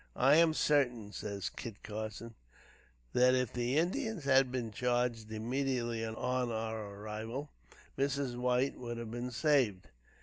"I am certain" says Kit Carson, "that if the Indians had been charged immediately on our arrival, Mrs. White would have been saved.